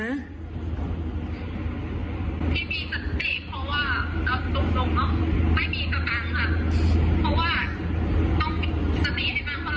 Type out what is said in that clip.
ถ้าเราไปแบบอยู่นั่นอยู่บ้าง